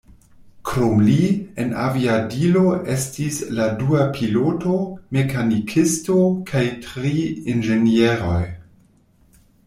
Krom li, en aviadilo estis la dua piloto, mekanikisto kaj tri inĝenieroj.